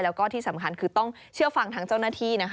แล้วก็ที่สำคัญคือต้องเชื่อฟังทางเจ้าหน้าที่นะคะ